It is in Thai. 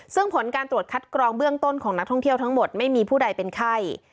ซึ่งผลการตรวจคัดกรองเบื้องต้นของนักท่องเที่ยวทั้งหมดไม่มีผู้ใดเป็นไข้